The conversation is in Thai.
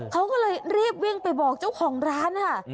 เขาก็เลยรีบวิ่งไปบอกเจ้าของร้านค่ะ